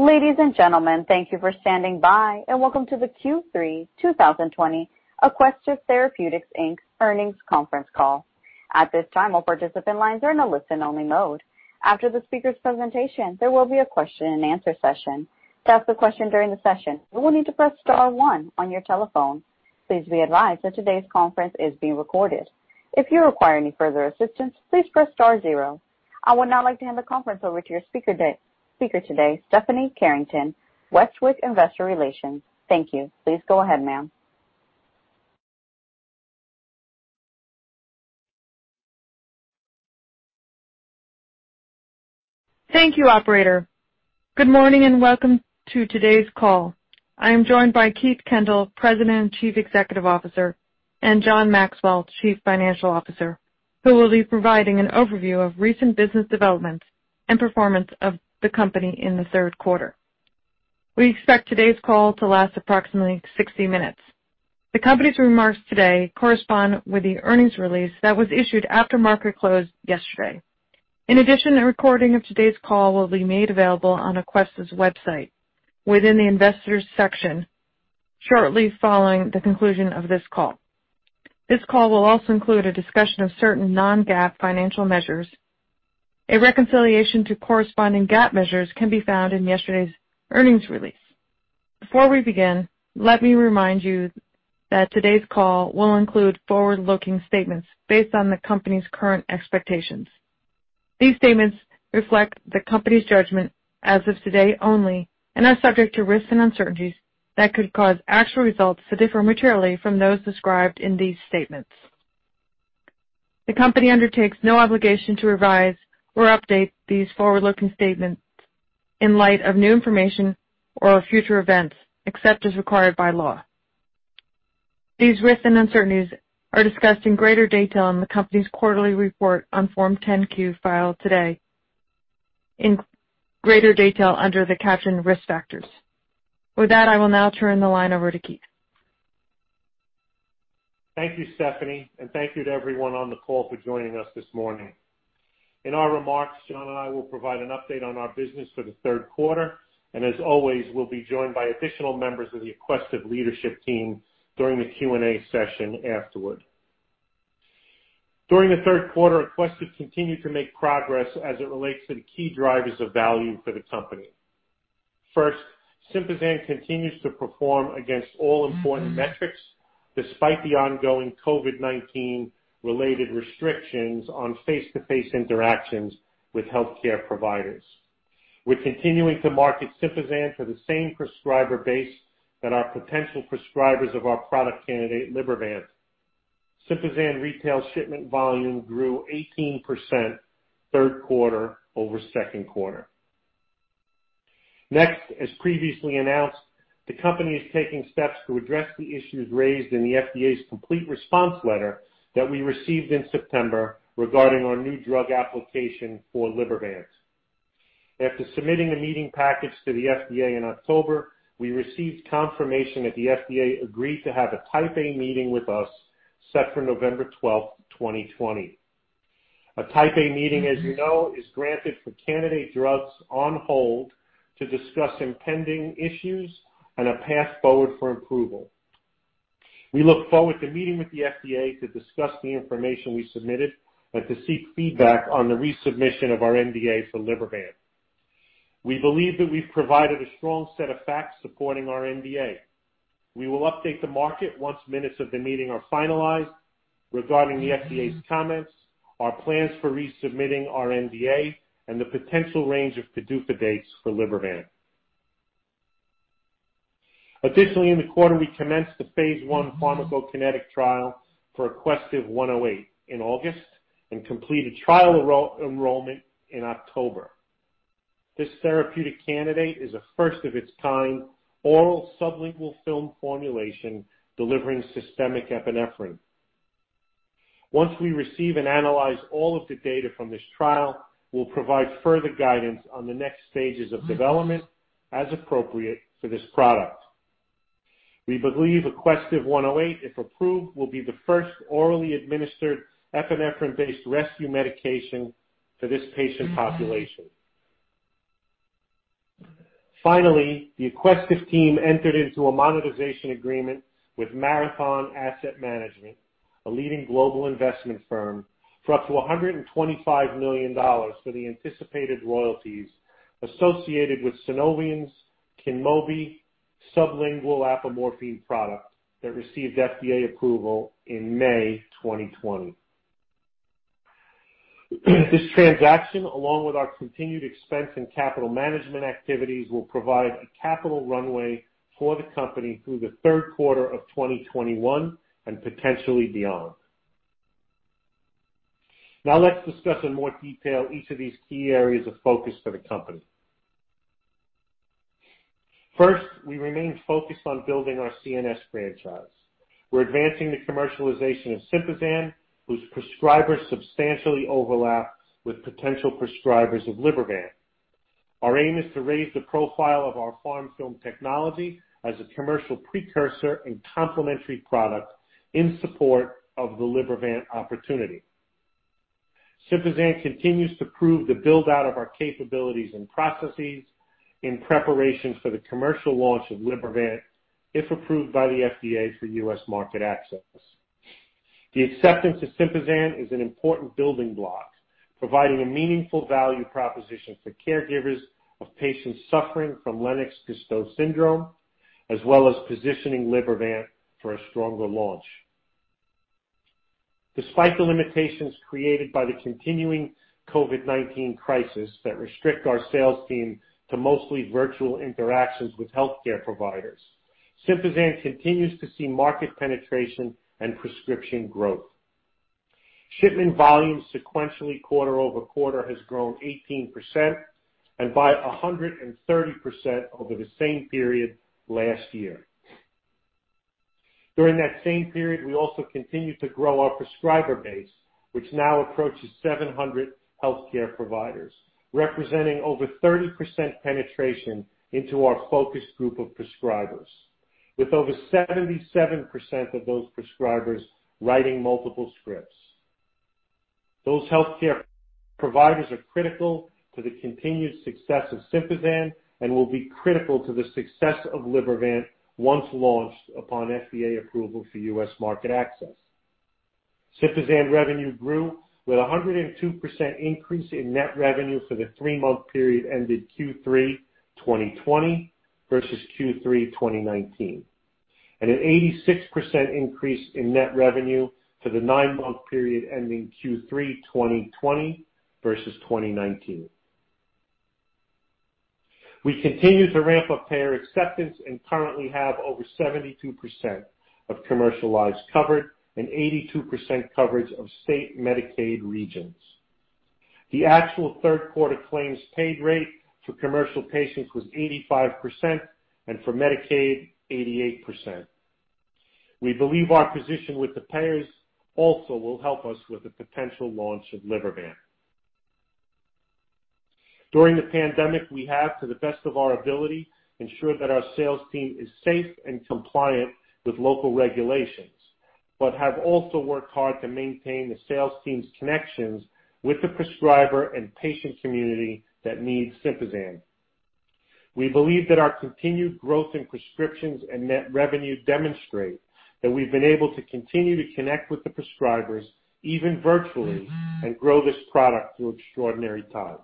Ladies and gentlemen, thank you for standing by, and welcome to the Q3 2020 Aquestive Therapeutics Inc. earnings conference call. At this time, all participant lines are in a listen-only mode. After the speaker's presentation, there will be a question and answer session. To ask a question during the session, you will need to press star one on your telephone. Please be advised that today's conference is being recorded. If you require any further assistance, please press star zero. I would now like to hand the conference over to your speaker today, Stephanie Carrington, [Westwicke] Investor Relations. Thank you. Please go ahead, ma'am. Thank you, operator. Good morning, and welcome to today's call. I am joined by Keith Kendall, President and Chief Executive Officer, and John Maxwell, Chief Financial Officer, who will be providing an overview of recent business developments and performance of the company in the third quarter. We expect today's call to last approximately 60 minutes. The company's remarks today correspond with the earnings release that was issued after market close yesterday. In addition, a recording of today's call will be made available on Aquestive's website within the investors section shortly following the conclusion of this call. This call will also include a discussion of certain non-GAAP financial measures. A reconciliation to corresponding GAAP measures can be found in yesterday's earnings release. Before we begin, let me remind you that today's call will include forward-looking statements based on the company's current expectations. These statements reflect the company's judgment as of today only and are subject to risks and uncertainties that could cause actual results to differ materially from those described in these statements. The company undertakes no obligation to revise or update these forward-looking statements in light of new information or future events, except as required by law. These risks and uncertainties are discussed in greater detail in the company's quarterly report on Form 10-Q filed today in greater detail under the caption Risk Factors. With that, I will now turn the line over to Keith. Thank you, Stephanie, and thank you to everyone on the call for joining us this morning. In our remarks, John and I will provide an update on our business for the third quarter, and as always, we'll be joined by additional members of the Aquestive leadership team during the Q&A session afterward. During the third quarter, Aquestive continued to make progress as it relates to the key drivers of value for the company. First, SYMPAZAN continues to perform against all important metrics despite the ongoing COVID-19 related restrictions on face-to-face interactions with healthcare providers. We're continuing to market SYMPAZAN for the same prescriber base that are potential prescribers of our product candidate, Libervant. SYMPAZAN retail shipment volume grew 18% third quarter over second quarter. Next, as previously announced, the company is taking steps to address the issues raised in the FDA's complete response letter that we received in September regarding our new drug application for Libervant. After submitting a meeting package to the FDA in October, we received confirmation that the FDA agreed to have a Type A meeting with us set for November 12, 2020. A Type A meeting, as you know, is granted for candidate drugs on hold to discuss impending issues and a path forward for approval. We look forward to meeting with the FDA to discuss the information we submitted and to seek feedback on the resubmission of our NDA for Libervant. We believe that we've provided a strong set of facts supporting our NDA. We will update the market once minutes of the meeting are finalized regarding the FDA's comments, our plans for resubmitting our NDA, and the potential range of PDUFA dates for Libervant. Additionally, in the quarter, we commenced the phase I pharmacokinetic trial for AQST-108 in August and completed trial enrollment in October. This therapeutic candidate is a first of its kind oral sublingual film formulation delivering systemic epinephrine. Once we receive and analyze all of the data from this trial, we'll provide further guidance on the next stages of development as appropriate for this product. We believe AQST-108, if approved, will be the first orally administered epinephrine-based rescue medication for this patient population. The Aquestive team entered into a monetization agreement with Marathon Asset Management, a leading global investment firm, for up to $125 million for the anticipated royalties associated with Sunovion's KYNMOBI sublingual apomorphine product that received FDA approval in May 2020. This transaction, along with our continued expense in capital management activities, will provide a capital runway for the company through the third quarter of 2021 and potentially beyond. Let's discuss in more detail each of these key areas of focus for the company. We remain focused on building our CNS franchise. We're advancing the commercialization of SYMPAZAN, whose prescribers substantially overlap with potential prescribers of Libervant. Our aim is to raise the profile of our PharmFilm technology as a commercial precursor and complementary product in support of the Libervant opportunity. SYMPAZAN continues to prove the build-out of our capabilities and processes in preparation for the commercial launch of Libervant, if approved by the FDA for U.S. market access. The acceptance of SYMPAZAN is an important building block, providing a meaningful value proposition for caregivers of patients suffering from Lennox-Gastaut syndrome, as well as positioning Libervant for a stronger launch. Despite the limitations created by the continuing COVID-19 crisis that restrict our sales team to mostly virtual interactions with healthcare providers, SYMPAZAN continues to see market penetration and prescription growth. Shipment volume sequentially quarter-over-quarter has grown 18% and by 130% over the same period last year. During that same period, we also continued to grow our prescriber base, which now approaches 700 healthcare providers, representing over 30% penetration into our focus group of prescribers, with over 77% of those prescribers writing multiple scripts. Those healthcare providers are critical to the continued success of SYMPAZAN and will be critical to the success of Libervant once launched upon FDA approval for U.S. market access. SYMPAZAN revenue grew with 102% increase in net revenue for the three-month period ended Q3 2020 versus Q3 2019, and an 86% increase in net revenue for the nine-month period ending Q3 2020 versus 2019. We continue to ramp up payer acceptance and currently have over 72% of commercial lives covered and 82% coverage of state Medicaid regions. The actual third quarter claims paid rate for commercial patients was 85%, and for Medicaid, 88%. We believe our position with the payers also will help us with the potential launch of Libervant. During the pandemic, we have, to the best of our ability, ensured that our sales team is safe and compliant with local regulations, but have also worked hard to maintain the sales team's connections with the prescriber and patient community that needs SYMPAZAN. We believe that our continued growth in prescriptions and net revenue demonstrate that we've been able to continue to connect with the prescribers, even virtually, and grow this product through extraordinary times.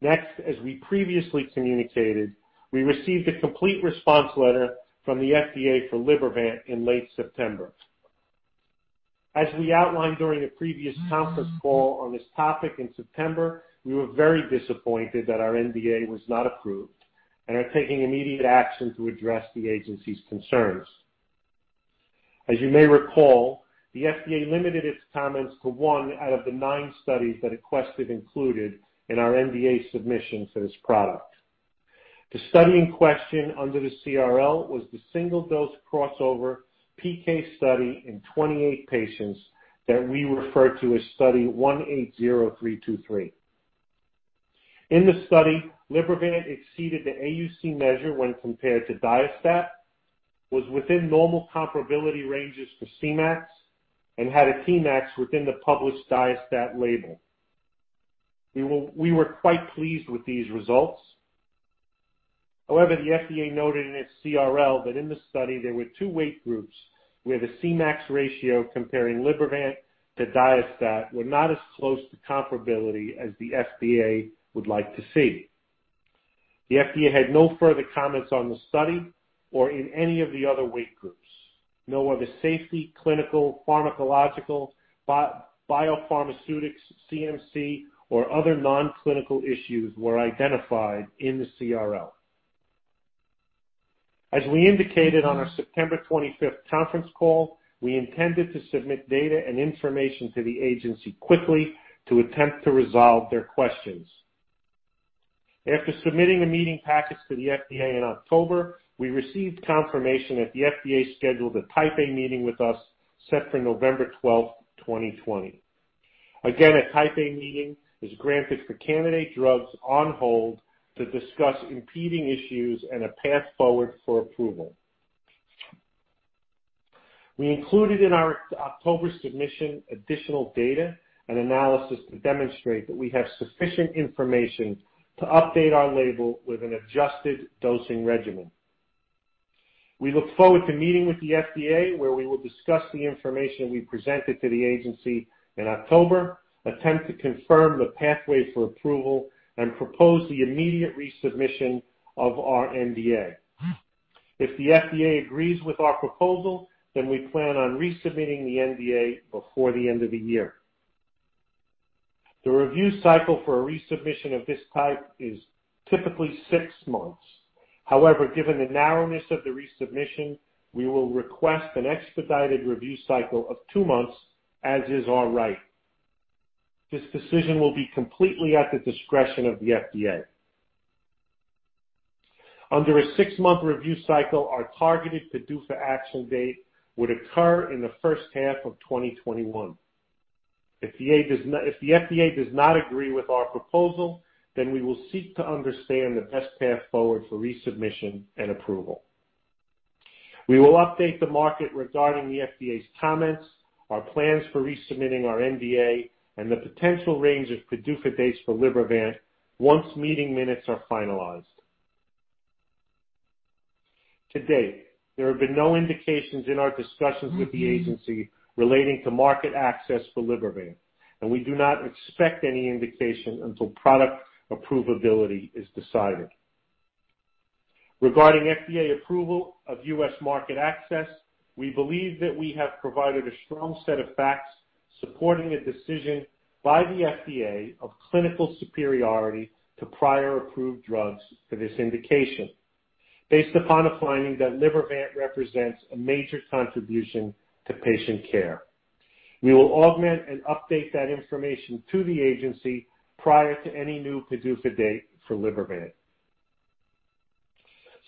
Next, as we previously communicated, we received a complete response letter from the FDA for Libervant in late September. As we outlined during a previous conference call on this topic in September, we were very disappointed that our NDA was not approved and are taking immediate action to address the agency's concerns. As you may recall, the FDA limited its comments to one out of the nine studies that Aquestive included in our NDA submission for this product. The study in question under the CRL was the single-dose crossover PK study in 28 patients that we refer to as Study 180323. In the study, Libervant exceeded the AUC measure when compared to Diastat, was within normal comparability ranges for Cmax, and had a Cmax within the published Diastat label. We were quite pleased with these results. However, the FDA noted in its CRL that in the study, there were two weight groups where the Cmax ratio comparing Libervant to Diastat were not as close to comparability as the FDA would like to see. The FDA had no further comments on the study or in any of the other weight groups, nor were the safety, clinical, pharmacological, biopharmaceutics, CMC, or other non-clinical issues were identified in the CRL. As we indicated on our September 25th conference call, we intended to submit data and information to the agency quickly to attempt to resolve their questions. After submitting the meeting packets to the FDA in October, we received confirmation that the FDA scheduled a Type A meeting with us set for November 12, 2020. Again, a Type A meeting is granted for candidate drugs on hold to discuss impeding issues and a path forward for approval. We included in our October submission additional data and analysis to demonstrate that we have sufficient information to update our label with an adjusted dosing regimen. We look forward to meeting with the FDA, where we will discuss the information we presented to the agency in October, attempt to confirm the pathway for approval, and propose the immediate resubmission of our NDA. If the FDA agrees with our proposal, we plan on resubmitting the NDA before the end of the year. The review cycle for a resubmission of this type is typically six months. However, given the narrowness of the resubmission, we will request an expedited review cycle of two months, as is our right. This decision will be completely at the discretion of the FDA. Under a six-month review cycle, our targeted PDUFA action date would occur in the first half of 2021. If the FDA does not agree with our proposal, we will seek to understand the best path forward for resubmission and approval. We will update the market regarding the FDA's comments, our plans for resubmitting our NDA, and the potential range of PDUFA dates for Libervant once meeting minutes are finalized. To date, there have been no indications in our discussions with the agency relating to market access for Libervant, and we do not expect any indication until product approvability is decided. Regarding FDA approval of U.S. market access, we believe that we have provided a strong set of facts supporting a decision by the FDA of clinical superiority to prior approved drugs for this indication based upon a finding that Libervant represents a major contribution to patient care. We will augment and update that information to the agency prior to any new PDUFA date for Libervant.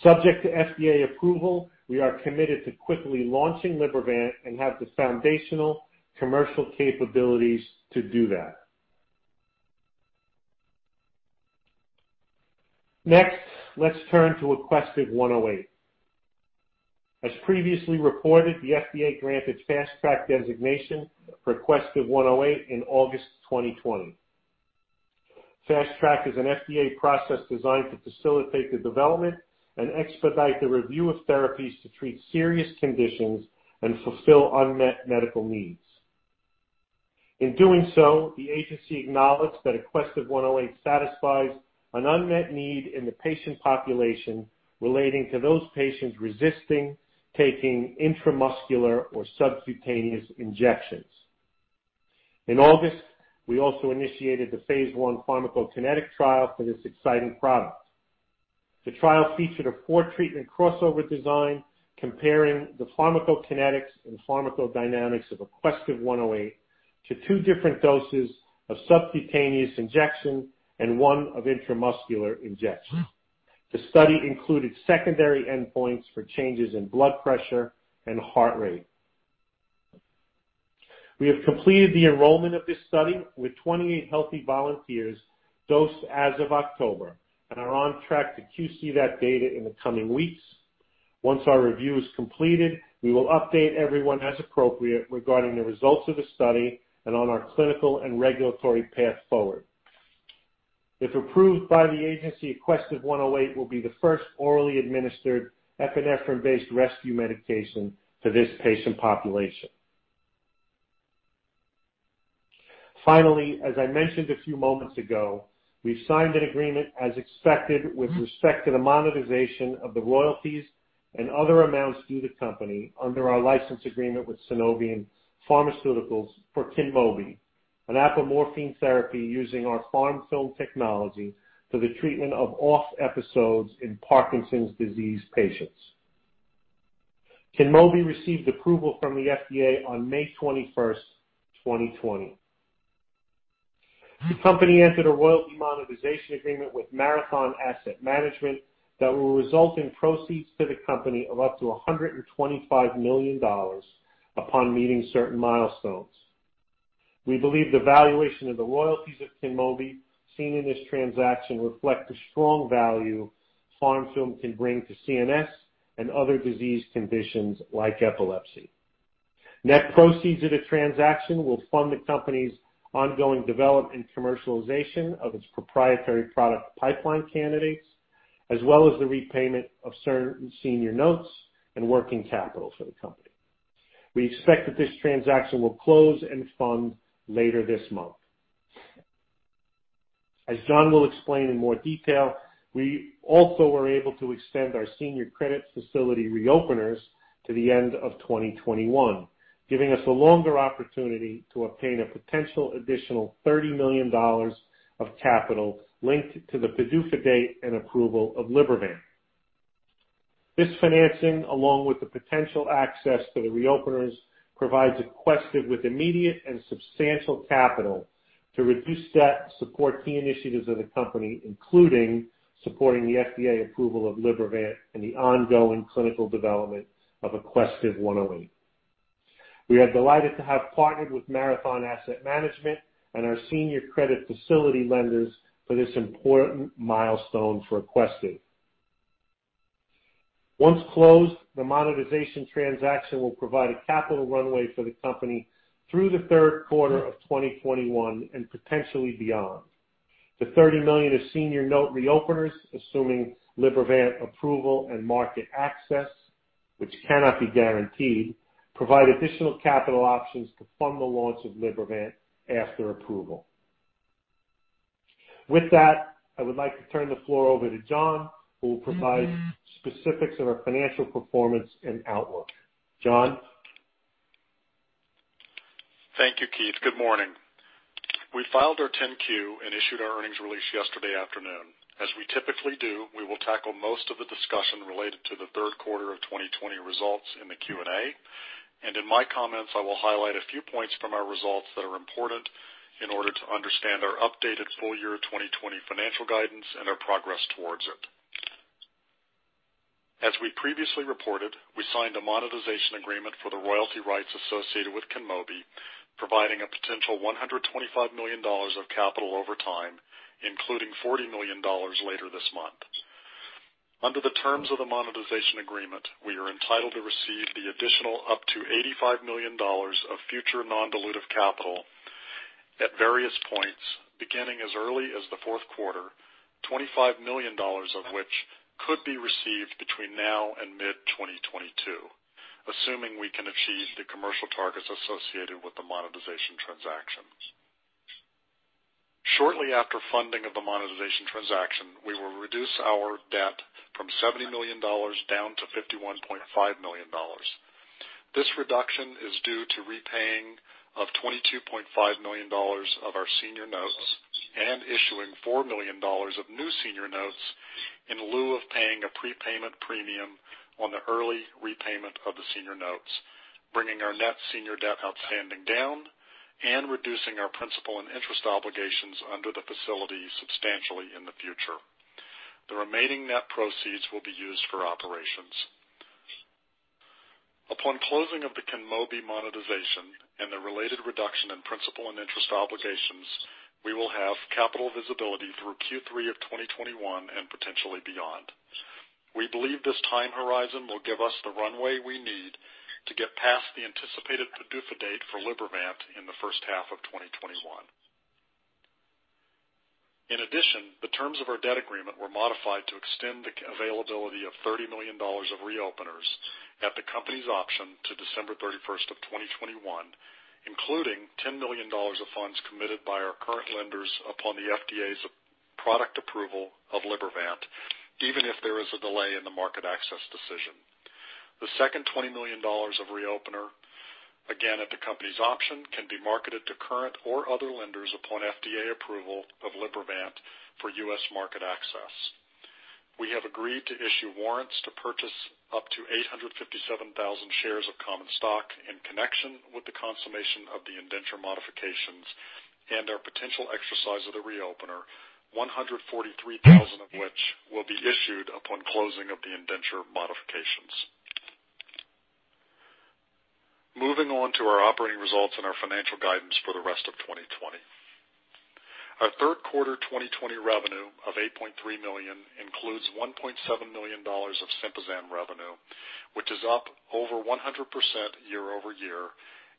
Subject to FDA approval, we are committed to quickly launching Libervant and have the foundational commercial capabilities to do that. Next, let's turn to AQST-108. As previously reported, the FDA granted Fast Track designation for AQST-108 in August 2020. Fast Track is an FDA process designed to facilitate the development and expedite the review of therapies to treat serious conditions and fulfill unmet medical needs. In doing so, the agency acknowledged that AQST-108 satisfies an unmet need in the patient population relating to those patients resisting taking intramuscular or subcutaneous injections. In August, we also initiated the phase I pharmacokinetic trial for this exciting product. The trial featured a four-treatment crossover design comparing the pharmacokinetics and pharmacodynamics of AQST-108 to two different doses of subcutaneous injection and one of intramuscular injection. The study included secondary endpoints for changes in blood pressure and heart rate. We have completed the enrollment of this study with 28 healthy volunteers dosed as of October and are on track to QC that data in the coming weeks. Once our review is completed, we will update everyone as appropriate regarding the results of the study and on our clinical and regulatory path forward. If approved by the agency, AQST-108 will be the first orally administered epinephrine-based rescue medication for this patient population. As I mentioned a few moments ago, we've signed an agreement as expected with respect to the monetization of the royalties and other amounts due the company under our license agreement with Sunovion Pharmaceuticals for KYNMOBI, an apomorphine therapy using our PharmFilm technology for the treatment of OFF episodes in Parkinson's disease patients. KYNMOBI received approval from the FDA on May 21, 2020. The company entered a royalty monetization agreement with Marathon Asset Management that will result in proceeds to the company of up to $125 million upon meeting certain milestones. We believe the valuation of the royalties of KYNMOBI seen in this transaction reflect the strong value PharmFilm can bring to CNS and other disease conditions like epilepsy. Net proceeds of the transaction will fund the company's ongoing development and commercialization of its proprietary product pipeline candidates, as well as the repayment of certain senior notes and working capital for the company. We expect that this transaction will close and fund later this month. As John will explain in more detail, we also were able to extend our senior credit facility reopeners to the end of 2021, giving us a longer opportunity to obtain a potential additional $30 million of capital linked to the PDUFA date and approval of Libervant. This financing, along with the potential access to the reopeners, provides Aquestive with immediate and substantial capital to reduce debt, support key initiatives of the company, including supporting the FDA approval of Libervant and the ongoing clinical development of AQST-108. We are delighted to have partnered with Marathon Asset Management and our senior credit facility lenders for this important milestone for Aquestive. Once closed, the monetization transaction will provide a capital runway for the company through the third quarter of 2021 and potentially beyond. The $30 million of senior note reopeners, assuming Libervant approval and market access, which cannot be guaranteed, provide additional capital options to fund the launch of Libervant after approval. With that, I would like to turn the floor over to John, who will provide specifics of our financial performance and outlook. John? Thank you, Keith. Good morning? We filed our 10-Q and issued our earnings release yesterday afternoon. As we typically do, we will tackle most of the discussion related to the third quarter of 2020 results in the Q&A. In my comments, I will highlight a few points from our results that are important in order to understand our updated full-year 2020 financial guidance and our progress towards it. As we previously reported, we signed a monetization agreement for the royalty rights associated with KYNMOBI, providing a potential $125 million of capital over time, including $40 million later this month. Under the terms of the monetization agreement, we are entitled to receive the additional up to $85 million of future non-dilutive capital at various points, beginning as early as the fourth quarter, $25 million of which could be received between now and mid-2022, assuming we can achieve the commercial targets associated with the monetization transactions. Shortly after funding of the monetization transaction, we will reduce our debt from $70 million down to $51.5 million. This reduction is due to repaying of $22.5 million of our senior notes and issuing $4 million of new senior notes in lieu of paying a prepayment premium on the early repayment of the senior notes, bringing our net senior debt outstanding down and reducing our principal and interest obligations under the facility substantially in the future. The remaining net proceeds will be used for operations. Upon closing of the KYNMOBI monetization and the related reduction in principal and interest obligations, we will have capital visibility through Q3 of 2021 and potentially beyond. We believe this time horizon will give us the runway we need to get past the anticipated PDUFA date for Libervant in the first half of 2021. In addition, the terms of our debt agreement were modified to extend the availability of $30 million of reopeners at the company's option to December 31 of 2021, including $10 million of funds committed by our current lenders upon the FDA's product approval of Libervant, even if there is a delay in the market access decision. The second $20 million of reopener, again, at the company's option, can be marketed to current or other lenders upon FDA approval of Libervant for U.S. market access. We have agreed to issue warrants to purchase up to 857,000 shares of common stock in connection with the consummation of the indenture modifications and our potential exercise of the reopener, 143,000 of which will be issued upon closing of the indenture modifications. Moving on to our operating results and our financial guidance for the rest of 2020. Our third quarter 2020 revenue of $8.3 million includes $1.7 million of SYMPAZAN revenue, which is up over 100% year-over-year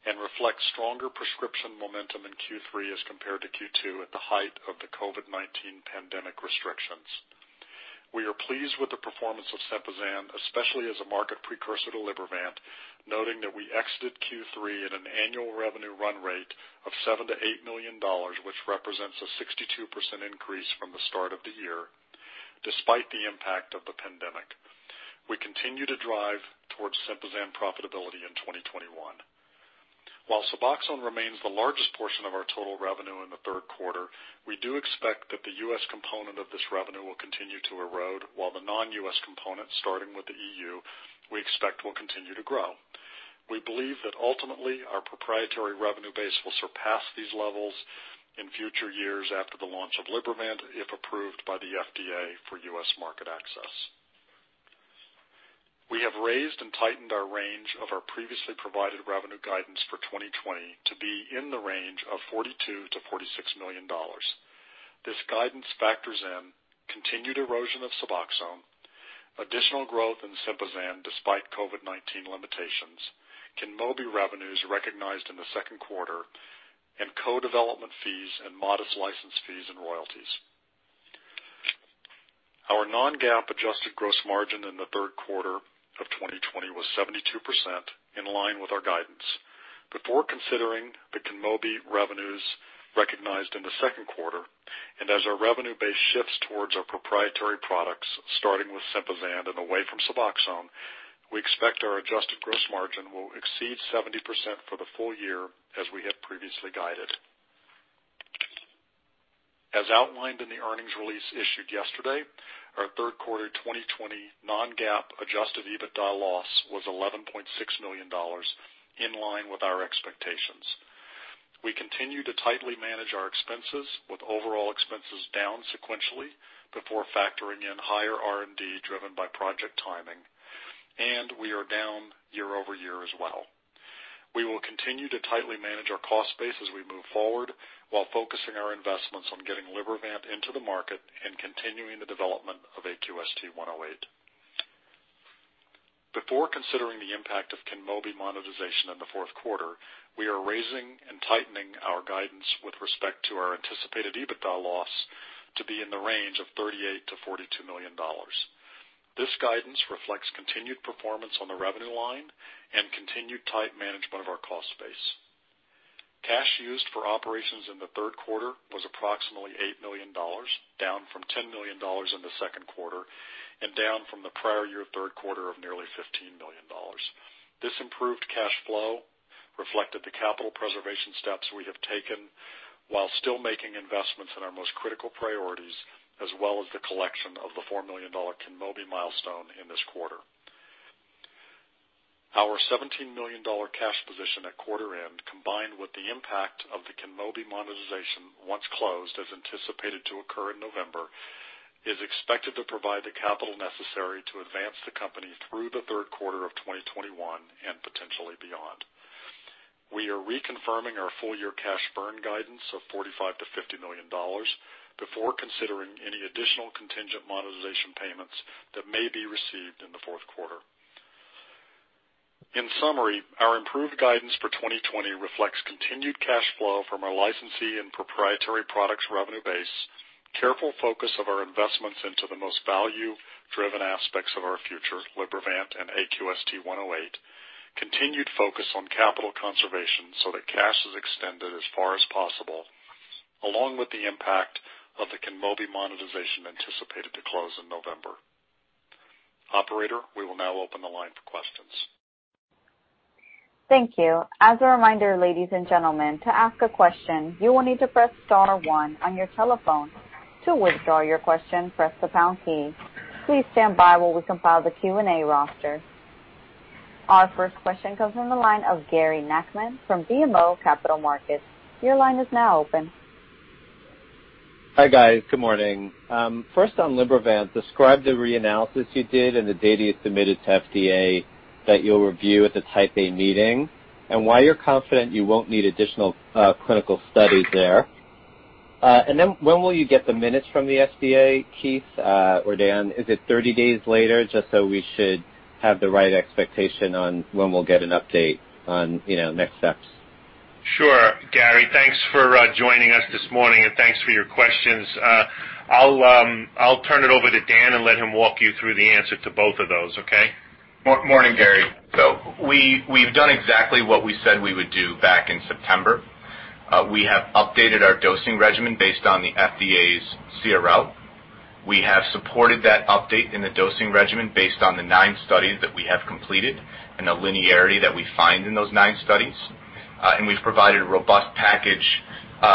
and reflects stronger prescription momentum in Q3 as compared to Q2 at the height of the COVID-19 pandemic restrictions. We are pleased with the performance of SYMPAZAN, especially as a market precursor to Libervant, noting that we exited Q3 at an annual revenue run rate of $7 million to $8 million, which represents a 62% increase from the start of the year, despite the impact of the pandemic. We continue to drive towards SYMPAZAN profitability in 2021. While SUBOXONE remains the largest portion of our total revenue in the third quarter, we do expect that the U.S. component of this revenue will continue to erode, while the non-U.S. component, starting with the EU, we expect will continue to grow. We believe that ultimately our proprietary revenue base will surpass these levels in future years after the launch of Libervant, if approved by the FDA for U.S. market access. We have raised and tightened our range of our previously provided revenue guidance for 2020 to be in the range of $42 million-$46 million. This guidance factors in continued erosion of SUBOXONE, additional growth in SYMPAZAN despite COVID-19 limitations, KYNMOBI revenues recognized in the second quarter, and co-development fees and modest license fees and royalties. Our non-GAAP adjusted gross margin in the third quarter of 2020 was 72%, in line with our guidance. Before considering the KYNMOBI revenues recognized in the second quarter, and as our revenue base shifts towards our proprietary products, starting with SYMPAZAN and away from SUBOXONE, we expect our adjusted gross margin will exceed 70% for the full year, as we had previously guided. As outlined in the earnings release issued yesterday, our third quarter 2020 non-GAAP adjusted EBITDA loss was $11.6 million, in line with our expectations. We continue to tightly manage our expenses, with overall expenses down sequentially before factoring in higher R&D driven by project timing, and we are down year-over-year as well. We will continue to tightly manage our cost base as we move forward while focusing our investments on getting Libervant into the market and continuing the development of AQST-108. Before considering the impact of KYNMOBI monetization in the fourth quarter, we are raising and tightening our guidance with respect to our anticipated EBITDA loss to be in the range of $38 million-$42 million. This guidance reflects continued performance on the revenue line and continued tight management of our cost base. Cash used for operations in the third quarter was approximately $8 million, down from $10 million in the second quarter and down from the prior year third quarter of nearly $15 million. This improved cash flow reflected the capital preservation steps we have taken while still making investments in our most critical priorities, as well as the collection of the $4 million KYNMOBI milestone in this quarter. Our $17 million cash position at quarter end, combined with the impact of the KYNMOBI monetization once closed, as anticipated to occur in November, is expected to provide the capital necessary to advance the company through the third quarter of 2021 and potentially beyond. We are reconfirming our full-year cash burn guidance of $45 million-$50 million before considering any additional contingent monetization payments that may be received in the fourth quarter. In summary, our improved guidance for 2020 reflects continued cash flow from our licensee and proprietary products revenue base, careful focus of our investments into the most value-driven aspects of our future, Libervant and AQST-108, continued focus on capital conservation so that cash is extended as far as possible, along with the impact of the KYNMOBI monetization anticipated to close in November. Operator, we will now open the line for questions. Thank you. As a reminder, ladies and gentlemen, to ask a question, you will need to press star one on your telephone. To withdraw your question, press the pound key. Please stand by while we compile the Q&A roster. Our first question comes from the line of Gary Nachman from BMO Capital Markets, your line is now open. Hi, guys. Good morning? First on Libervant, describe the reanalysis you did and the data you submitted to FDA that you'll review at the Type A meeting, and why you're confident you won't need additional clinical studies there. When will you get the minutes from the FDA, Keith or Dan? Is it 30 days later? Just so we should have the right expectation on when we'll get an update on next steps. Sure, Gary. Thanks for joining us this morning, and thanks for your questions. I'll turn it over to Dan and let him walk you through the answer to both of those. Okay? Morning, Gary. We've done exactly what we said we would do back in September. We have updated our dosing regimen based on the FDA's CRL. We have supported that update in the dosing regimen based on the nine studies that we have completed and the linearity that we find in those nine studies. We've provided a robust package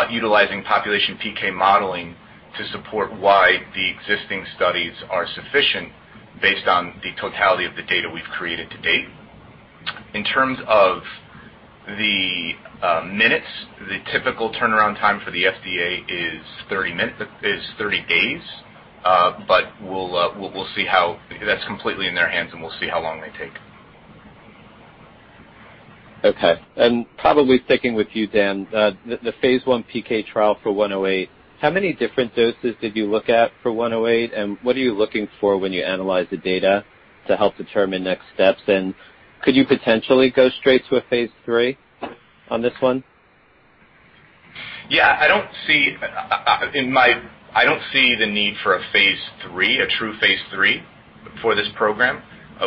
utilizing population PK modeling to support why the existing studies are sufficient based on the totality of the data we've created to date. In terms of the minutes, the typical turnaround time for the FDA is 30 days, but that's completely in their hands, and we'll see how long they take. Okay. Probably sticking with you, Dan, the phase I PK trial for AQST-108, how many different doses did you look at for AQST-108, and what are you looking for when you analyze the data to help determine next steps? Could you potentially go straight to a phase III on this one? I don't see the need for a phase III, a true phase III for this program.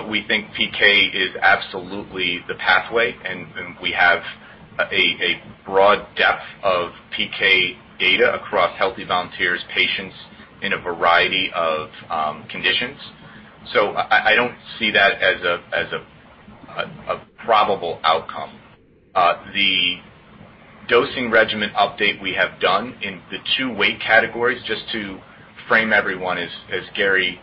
We think PK is absolutely the pathway, and we have a broad depth of PK data across healthy volunteers, patients in a variety of conditions. I don't see that as a probable outcome. The dosing regimen update we have done in the two weight categories, just to frame everyone, as Gary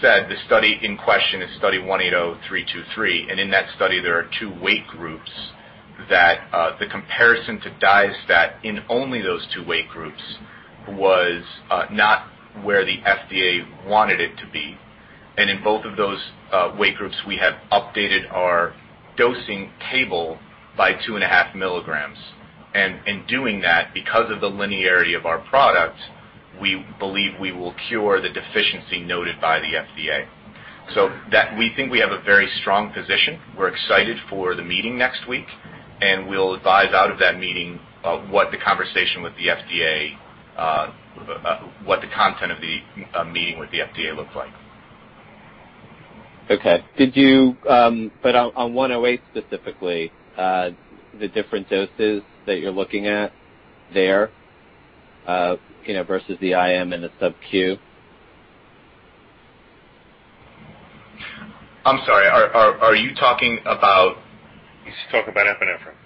said, the study in question is Study 180323, and in that study, there are two weight groups that the comparison to Diastat in only those two weight groups was not where the FDA wanted it to be. In both of those weight groups, we have updated our dosing table by 2.5 mg. In doing that, because of the linearity of our product, we believe we will cure the deficiency noted by the FDA. We think we have a very strong position. We're excited for the meeting next week, and we'll advise out of that meeting what the conversation with the FDA, what the content of the meeting with the FDA looks like. Okay. On AQST-108 specifically, the different doses that you're looking at there versus the IM and the sub-Q? I'm sorry, are you talking about? He's talking about epinephrine.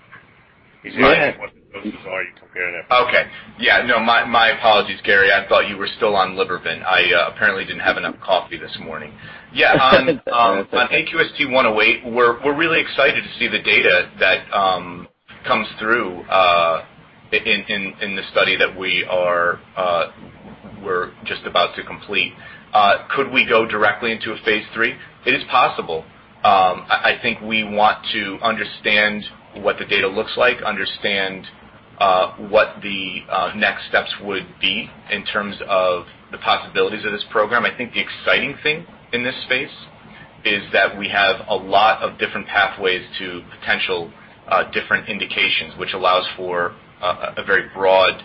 Go ahead. He's asking what the doses are you compare in epinephrine? Okay. Yeah, no, my apologies, Gary. I thought you were still on Libervant. I apparently didn't have enough coffee this morning. Yeah, on AQST-108, we're really excited to see the data that comes through in the study that we're just about to complete. Could we go directly into a phase III? It is possible. I think we want to understand what the data looks like, understand what the next steps would be in terms of the possibilities of this program. I think the exciting thing in this space is that we have a lot of different pathways to potential different indications, which allows for a very broad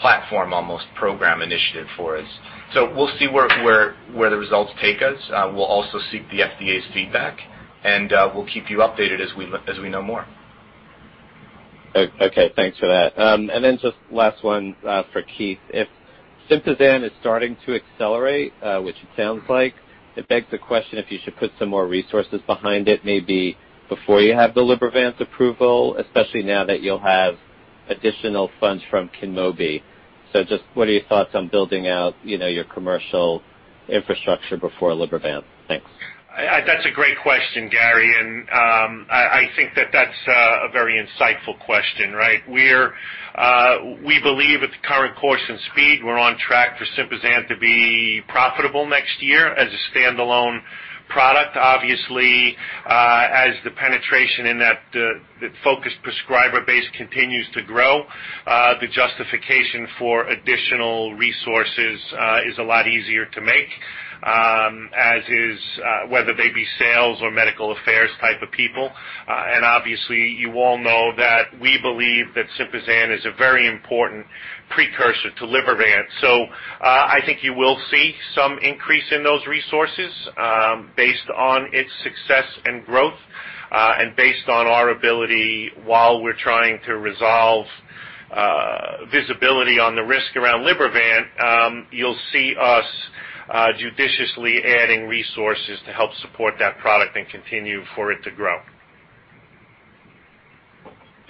platform, almost program initiative for us. We'll see where the results take us. We'll also seek the FDA's feedback, and we'll keep you updated as we know more. Okay. Thanks for that. Just last one for Keith. If SYMPAZAN is starting to accelerate, which it sounds like, it begs the question if you should put some more resources behind it, maybe before you have the Libervant's approval, especially now that you'll have additional funds from KYNMOBI. Just what are your thoughts on building out your commercial infrastructure before Libervant? Thanks. That's a great question, Gary, and I think that that's a very insightful question. We believe at the current course and speed, we're on track for SYMPAZAN to be profitable next year as a standalone product. Obviously, as the penetration in that focused prescriber base continues to grow, the justification for additional resources is a lot easier to make, whether they be sales or medical affairs type of people. Obviously, you all know that we believe that SYMPAZAN is a very important precursor to Libervant. I think you will see some increase in those resources, based on its success and growth, and based on our ability while we're trying to resolve visibility on the risk around Libervant. You'll see us judiciously adding resources to help support that product and continue for it to grow.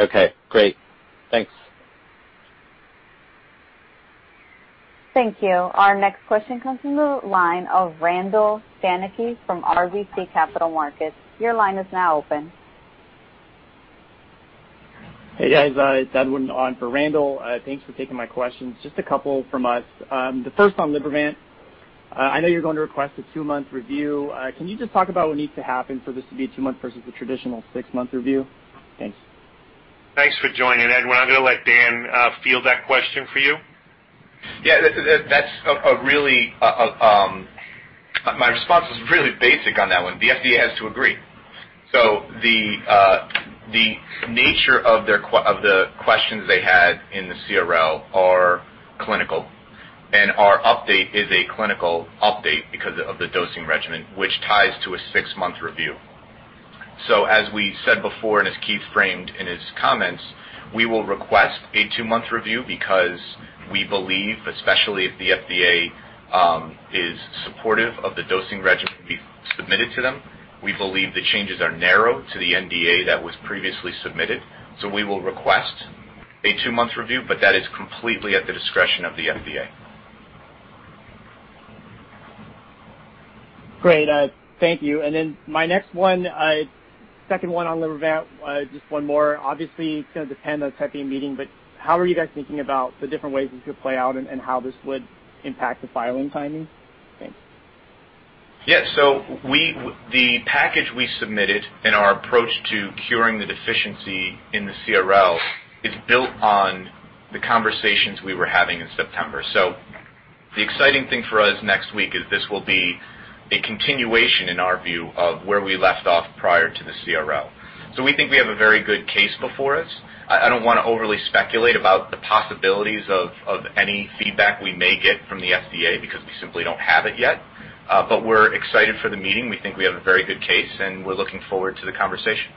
Okay, great. Thanks. Thank you. Our next question comes from the line of Randall Stanicky from RBC Capital Markets, your line is now open. Hey, guys. It's Edwin on for Randall. Thanks for taking my questions. Just a couple from us. The first on Libervant. I know you're going to request a two-month review. Can you just talk about what needs to happen for this to be a two-month versus a traditional six-month review? Thanks. Thanks for joining, Edwin. I'm going to let Dan field that question for you. Yeah, my response is really basic on that one. The FDA has to agree. The nature of the questions they had in the CRL are clinical, and our update is a clinical update because of the dosing regimen, which ties to a six-month review. As we said before, and as Keith framed in his comments, we will request a two-month review because we believe, especially if the FDA is supportive of the dosing regimen we submitted to them, we believe the changes are narrow to the NDA that was previously submitted. We will request a two-month review, but that is completely at the discretion of the FDA. Great. Thank you. My next one, second one on Libervant, just one more. Obviously, it's going to depend on the type of meeting, but how are you guys thinking about the different ways this could play out, and how this would impact the filing timing? Thanks. Yeah. The package we submitted and our approach to curing the deficiency in the CRL is built on the conversations we were having in September. The exciting thing for us next week is this will be a continuation in our view of where we left off prior to the CRL. We think we have a very good case before us. I don't want to overly speculate about the possibilities of any feedback we may get from the FDA because we simply don't have it yet. We're excited for the meeting. We think we have a very good case, and we're looking forward to the conversation.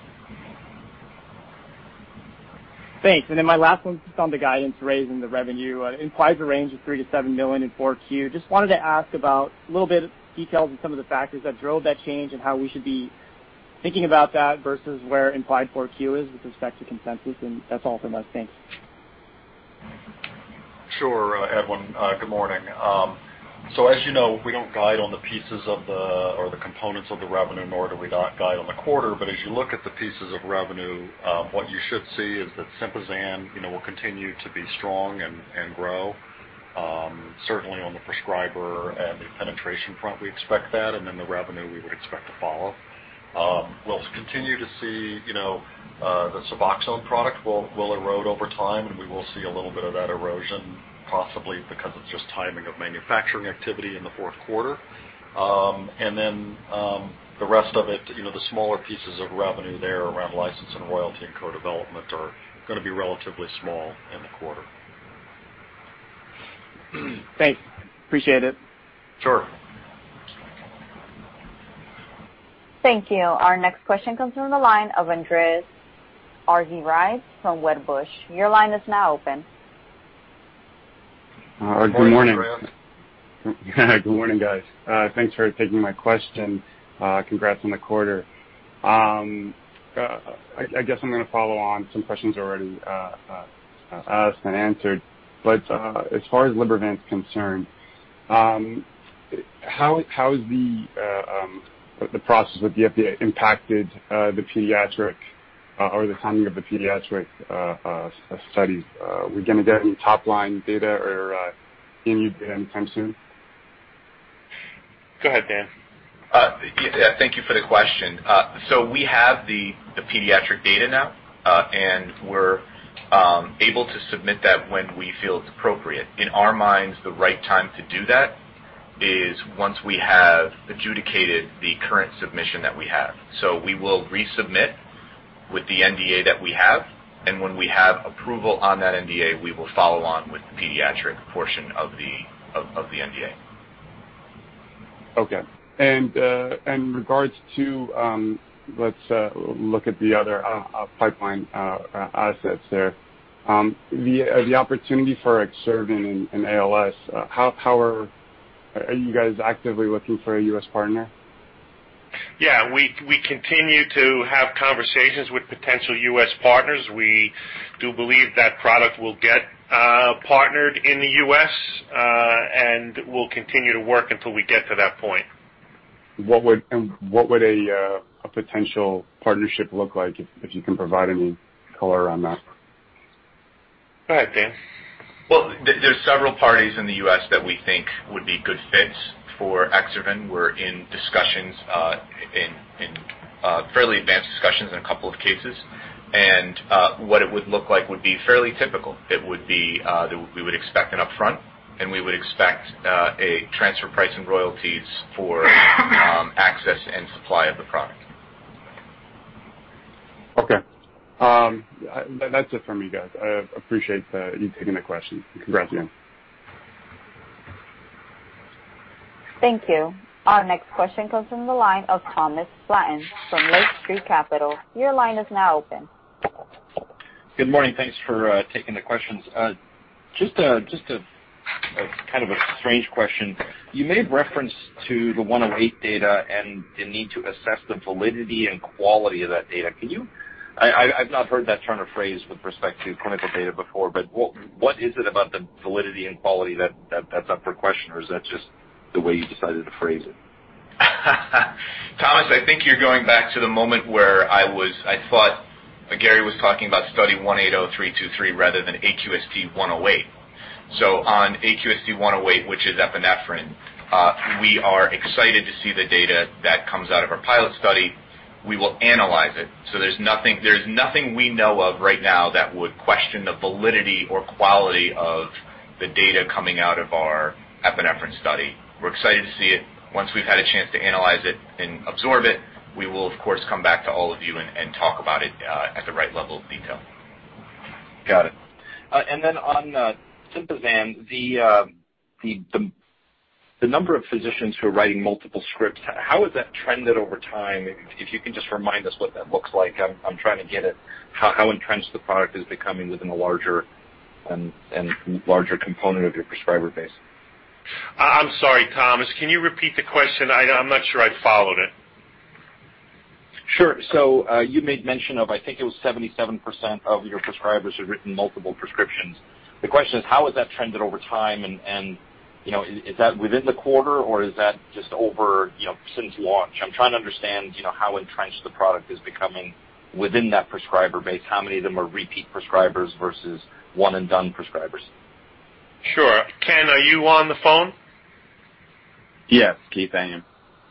Thanks. My last one's just on the guidance raise and the revenue. Implied the range of $3 million-$7 million in 4Q. Just wanted to ask about a little bit of details on some of the factors that drove that change and how we should be thinking about that versus where implied 4Q is with respect to consensus. That's all from us. Thanks. Sure, Edwin. Good morning? As you know, we don't guide on the pieces of the, or the components of the revenue, nor do we not guide on the quarter. As you look at the pieces of revenue, what you should see is that SYMPAZAN will continue to be strong and grow. Certainly on the prescriber and the penetration front, we expect that, and then the revenue we would expect to follow. We'll continue to see the SUBOXONE product will erode over time, and we will see a little bit of that erosion, possibly because of just timing of manufacturing activity in the fourth quarter. The rest of it, the smaller pieces of revenue there around license and royalty and co-development are going to be relatively small in the quarter. Thanks. Appreciate it. Sure. Thank you. Our next question comes from the line of Andreas Argyrides from Wedbush, your line is now open. Morning, Andreas? Good morning? Good morning, guys. Thanks for taking my question. Congrats on the quarter. I guess I'm going to follow on some questions already asked and answered. As far as Libervant's concerned, how has the process with the FDA impacted the pediatric or the timing of the pediatric studies? Are we going to get any top-line data or any data anytime soon? Go ahead, Dan. Thank you for the question. We have the pediatric data now, and we're able to submit that when we feel it's appropriate. In our minds, the right time to do that is once we have adjudicated the current submission that we have. We will resubmit with the NDA that we have, and when we have approval on that NDA, we will follow on with the pediatric portion of the NDA. Okay. In regards to, let's look at the other pipeline assets there. The opportunity for Exservan in ALS, are you guys actively looking for a U.S. partner? Yeah. We continue to have conversations with potential U.S. partners. We do believe that product will get partnered in the U.S., and we'll continue to work until we get to that point. What would a potential partnership look like? If you can provide any color on that. Go ahead, Dan. There's several parties in the U.S. that we think would be good fits for Exservan. We're in fairly advanced discussions in a couple of cases. What it would look like would be fairly typical. We would expect an upfront, and we would expect a transfer price in royalties for access and supply of the product. Okay. That's it for me, guys. I appreciate you taking the question. Thank you. Congrats. Thank you. Our next question comes from the line of Thomas Flaten from Lake Street Capital, your line is now open. Good morning? Thanks for taking the questions. Just a strange question. You made reference to the AQST-108 data and the need to assess the validity and quality of that data. I've not heard that turn of phrase with respect to clinical data before. What is it about the validity and quality that's up for question, or is that just the way you decided to phrase it? Thomas, I think you're going back to the moment where I thought Gary was talking about Study 180323, rather than AQST-108. On AQST-108, which is epinephrine, we are excited to see the data that comes out of our pilot study. We will analyze it. There's nothing we know of right now that would question the validity or quality of the data coming out of our epinephrine study. We're excited to see it. Once we've had a chance to analyze it and absorb it, we will, of course, come back to all of you and talk about it at the right level of detail. Got it. Then on SYMPAZAN, the number of physicians who are writing multiple scripts, how has that trended over time? If you can just remind us what that looks like. I'm trying to get at how entrenched the product is becoming within a larger component of your prescriber base. I'm sorry, Thomas. Can you repeat the question? I'm not sure I followed it. Sure. You made mention of, I think it was 77% of your prescribers have written multiple prescriptions. The question is, how has that trended over time? Is that within the quarter or is that just since launch? I'm trying to understand how entrenched the product is becoming within that prescriber base. How many of them are repeat prescribers versus one-and-done prescribers? Sure. Ken, are you on the phone? Yes, Keith, I am.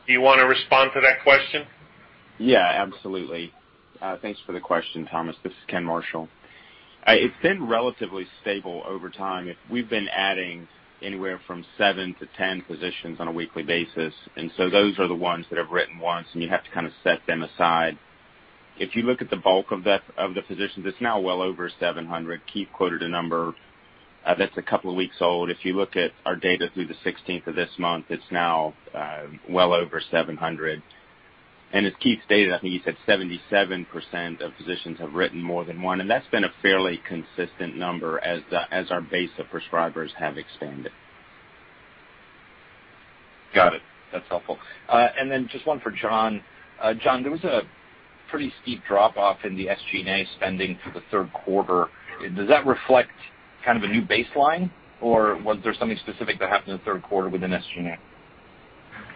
Do you want to respond to that question? Yeah, absolutely. Thanks for the question, Thomas. This is Ken Marshall. It's been relatively stable over time. We've been adding anywhere from seven to 10 physicians on a weekly basis. Those are the ones that have written once, and you have to kind of set them aside. If you look at the bulk of the physicians, it's now well over 700. Keith quoted a number that's a couple of weeks old. If you look at our data through the 16th of this month, it's now well over 700. As Keith stated, I think he said 77% of physicians have written more than one, and that's been a fairly consistent number as our base of prescribers have expanded. Got it. That's helpful. Then just one for John. John, there was a pretty steep drop-off in the SG&A spending for the third quarter. Does that reflect kind of a new baseline, or was there something specific that happened in the third quarter within SG&A?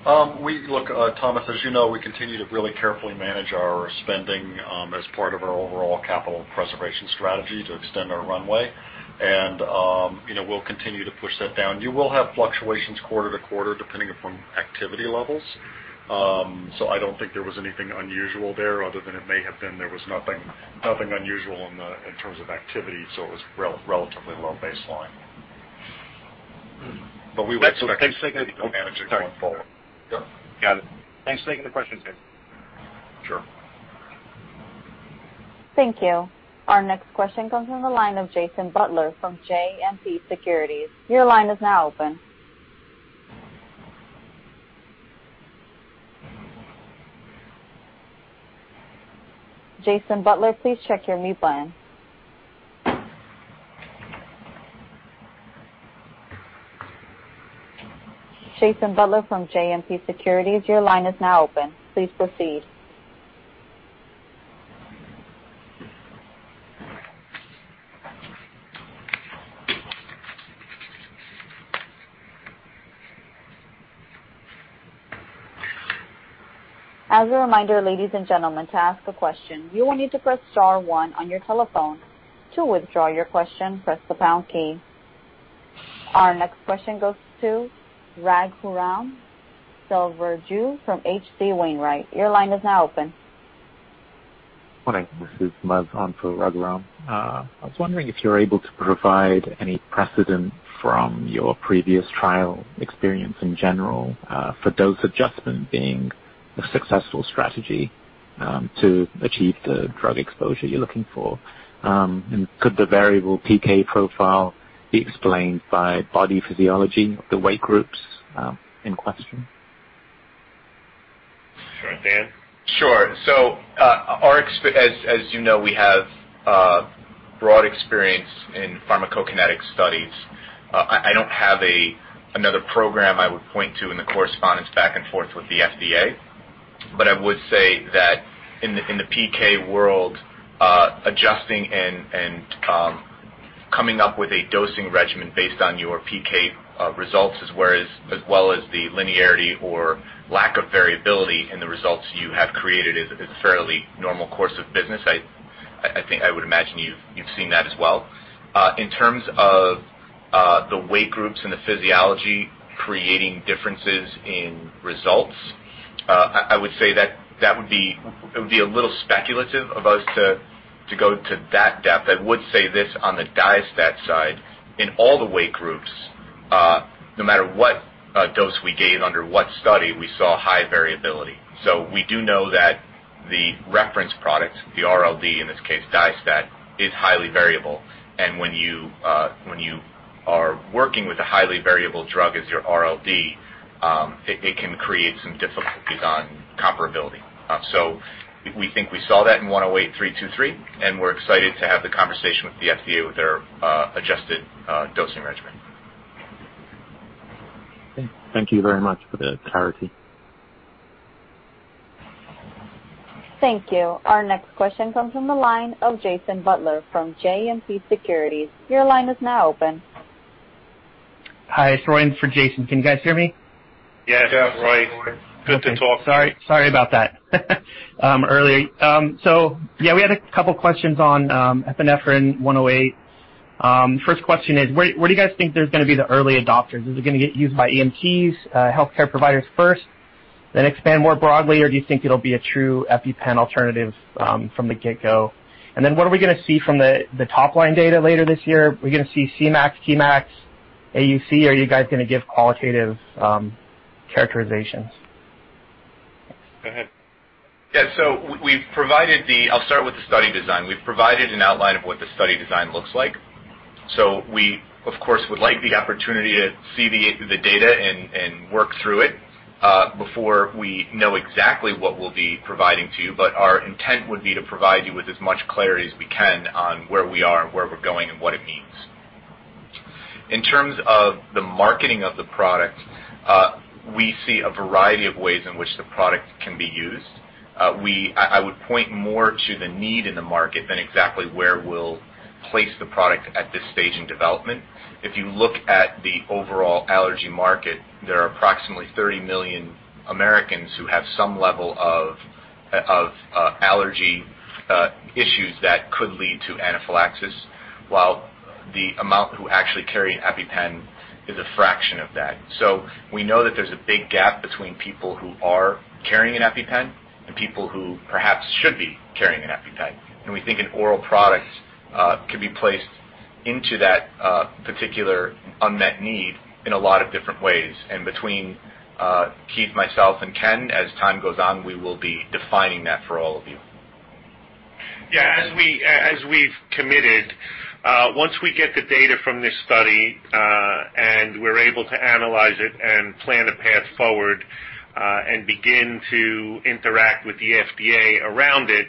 Look, Thomas, as you know, we continue to really carefully manage our spending as part of our overall capital preservation strategy to extend our runway. We'll continue to push that down. You will have fluctuations quarter to quarter, depending upon activity levels. I don't think there was anything unusual there other than it may have been there was nothing unusual in terms of activity, so it was relatively low baseline. We would expect to continue to manage it going forward. Got it. Thanks for taking the question, guys. Sure. Thank you. Our next question comes from the line of Jason Butler from JMP Securities. Your line is now open. Jason Butler, please check your mute button. Jason Butler from JMP Securities, your line is now open. Please proceed. As a reminder ladies and gentlemen you will need to press star one on your telephone. To withdraw your question press the pound key. Our next question goes to Raghuram Selvaraju from H.C. Wainwright, your line is now open. Good morning? This is Maz on for Raghuram. I was wondering if you're able to provide any precedent from your previous trial experience in general for dose adjustment being a successful strategy to achieve the drug exposure you're looking for. Could the variable PK profile be explained by body physiology of the weight groups in question? Sure. Dan? Sure. As you know, we have broad experience in pharmacokinetic studies. I don't have another program I would point to in the correspondence back and forth with the FDA. I would say that in the PK world, adjusting and coming up with a dosing regimen based on your PK results, as well as the linearity or lack of variability in the results you have created is a fairly normal course of business. I think I would imagine you've seen that as well. In terms of the weight groups and the physiology creating differences in results, I would say that it would be a little speculative of us to go to that depth. I would say this on the Diastat side, in all the weight groups, no matter what dose we gave under what study, we saw high variability. We do know that the reference product, the RLD, in this case, Diastat, is highly variable. When you are working with a highly variable drug as your RLD, it can create some difficulties on comparability. We think we saw that in 108-323, and we're excited to have the conversation with the FDA with their adjusted dosing regimen. Okay. Thank you very much for the clarity. Thank you. Our next question comes from the line of Jason Butler from JMP Securities. Hi, it's Roy in for Jason. Can you guys hear me? Yes. Yeah. Roy. Good to talk to you. Sorry about that early. Yeah, we had a couple questions on epinephrine 108. First question is, where do you guys think there's going to be the early adopters? Is it going to get used by EMTs, healthcare providers first, then expand more broadly, or do you think it'll be a true EPIPEN alternative from the get-go? What are we going to see from the top-line data later this year? Are we going to see Cmax, Tmax, AUC? Are you guys going to give qualitative characterizations? Go ahead. Yeah. I'll start with the study design. We've provided an outline of what the study design looks like. We, of course, would like the opportunity to see the data and work through it, before we know exactly what we'll be providing to you. Our intent would be to provide you with as much clarity as we can on where we are and where we're going and what it means. In terms of the marketing of the product, we see a variety of ways in which the product can be used. I would point more to the need in the market than exactly where we'll place the product at this stage in development. If you look at the overall allergy market, there are approximately 30 million Americans who have some level of allergy issues that could lead to anaphylaxis, while the amount who actually carry an EPIPEN is a fraction of that. We know that there's a big gap between people who are carrying an EPIPEN and people who perhaps should be carrying an EPIPEN. We think an oral product could be placed into that particular unmet need in a lot of different ways. Between Keith, myself, and Ken, as time goes on, we will be defining that for all of you. Yeah. As we've committed, once we get the data from this study, and we're able to analyze it and plan a path forward, and begin to interact with the FDA around it,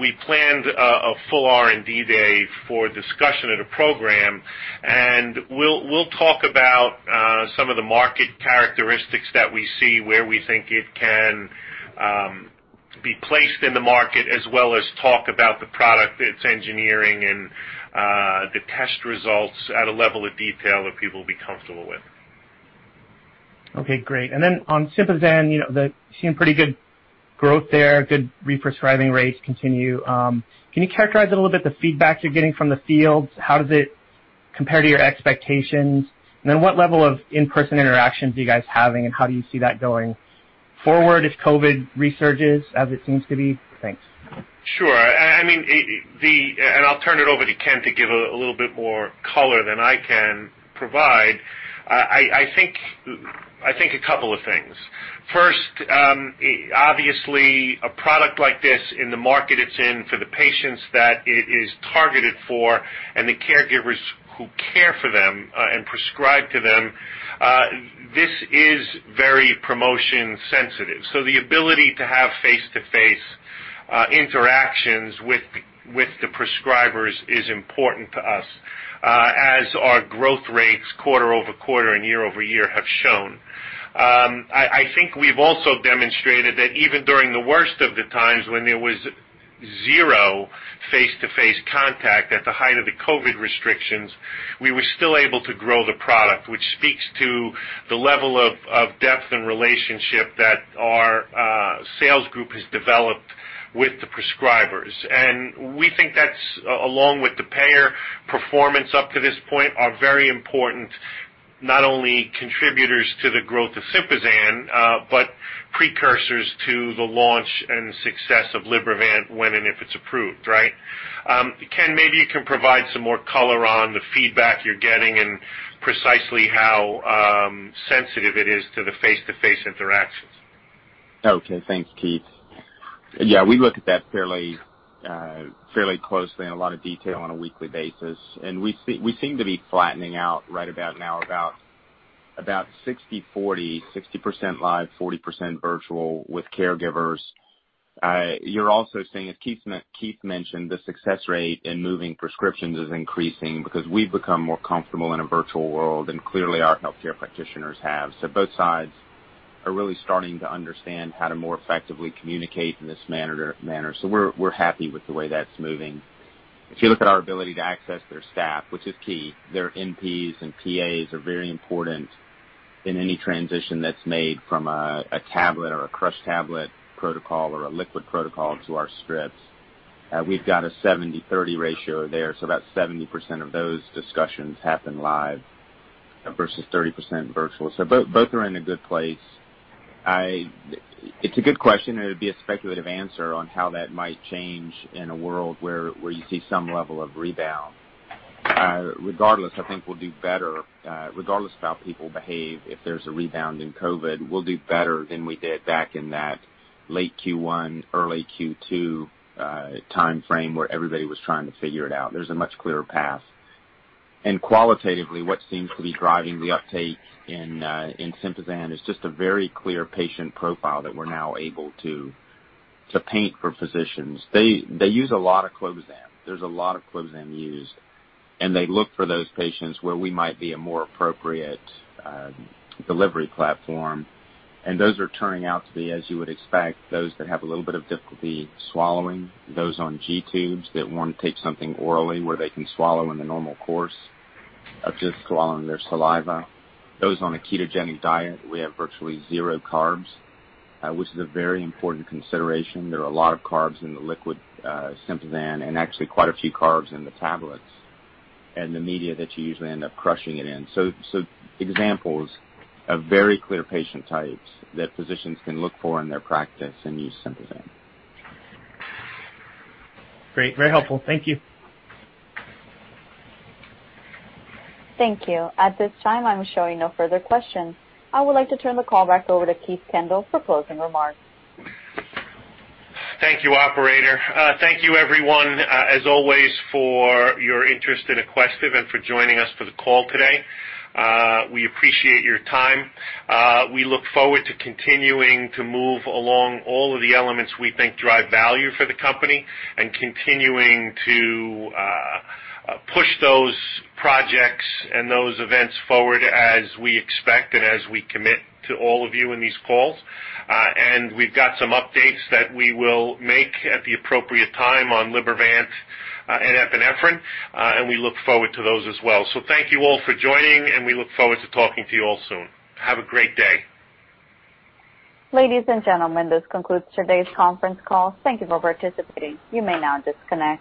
we planned a full R&D day for discussion of the program. We'll talk about some of the market characteristics that we see, where we think it can be placed in the market as well as talk about the product, its engineering, and the test results at a level of detail that people will be comfortable with. Okay, great. On SYMPAZAN, seeing pretty good growth there. Good re-prescribing rates continue. Can you characterize a little bit the feedback you're getting from the field? How does it compare to your expectations? What level of in-person interactions are you guys having, and how do you see that going forward if COVID resurges as it seems to be? Thanks. Sure. I'll turn it over to Ken to give a little bit more color than I can provide. I think a couple of things. First, obviously, a product like this in the market it's in for the patients that it is targeted for and the caregivers who care for them and prescribe to them, this is very promotion sensitive. The ability to have face-to-face interactions with the prescribers is important to us, as our growth rates quarter-over-quarter and year-over-year have shown. I think we've also demonstrated that even during the worst of the times when there was zero face-to-face contact at the height of the COVID restrictions, we were still able to grow the product, which speaks to the level of depth and relationship that our sales group has developed with the prescribers. We think that along with the payer performance up to this point, are very important, not only contributors to the growth of SYMPAZAN, but precursors to the launch and success of Libervant when and if it's approved, right? Ken, maybe you can provide some more color on the feedback you're getting and precisely how sensitive it is to the face-to-face interactions. Okay. Thanks, Keith. Yeah, we look at that fairly closely in a lot of detail on a weekly basis, and we seem to be flattening out right about now about About 60/40, 60% live, 40% virtual with caregivers. You're also seeing, as Keith mentioned, the success rate in moving prescriptions is increasing because we've become more comfortable in a virtual world, and clearly our healthcare practitioners have. Both sides are really starting to understand how to more effectively communicate in this manner. We're happy with the way that's moving. If you look at our ability to access their staff, which is key, their NPs and PAs are very important in any transition that's made from a tablet or a crushed tablet protocol or a liquid protocol to our scripts. We've got a 70/30 ratio there, so about 70% of those discussions happen live versus 30% virtual. Both are in a good place. It's a good question, and it'd be a speculative answer on how that might change in a world where you see some level of rebound. Regardless, I think we'll do better. Regardless of how people behave, if there's a rebound in COVID, we'll do better than we did back in that late Q1, early Q2 timeframe where everybody was trying to figure it out. There's a much clearer path. And qualitatively, what seems to be driving the uptake in SYMPAZAN is just a very clear patient profile that we're now able to paint for physicians. They use a lot of clobazam. There's a lot of clobazam used. And they look for those patients where we might be a more appropriate delivery platform. And those are turning out to be, as you would expect, those that have a little bit of difficulty swallowing, those on G-tubes that want to take something orally where they can swallow in the normal course of just swallowing their saliva. Those on a ketogenic diet, we have virtually zero carbs, which is a very important consideration. There are a lot of carbs in the liquid SYMPAZAN and actually quite a few carbs in the tablets and the media that you usually end up crushing it in. Examples of very clear patient types that physicians can look for in their practice and use SYMPAZAN. Great. Very helpful. Thank you. Thank you. At this time, I am showing no further questions. I would like to turn the call back over to Keith Kendall for closing remarks. Thank you, Operator. Thank you everyone, as always, for your interest in Aquestive and for joining us for the call today. We appreciate your time. We look forward to continuing to move along all of the elements we think drive value for the company and continuing to push those projects and those events forward as we expect and as we commit to all of you in these calls. We've got some updates that we will make at the appropriate time on Libervant and epinephrine, and we look forward to those as well. Thank you all for joining, and we look forward to talking to you all soon. Have a great day. Ladies and gentlemen, this concludes today's conference call. Thank you for participating, you may now disconnect.